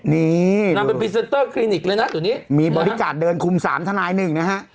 นี่นางเป็นพิเศษเตอร์คลินิกเลยนะตรงนี้มีบริการเดินคุมสามทนายหนึ่งนะฮะ